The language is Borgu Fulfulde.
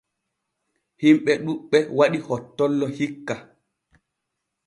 Himɓe ɗuuɓɓe waɗi hottollo hikka.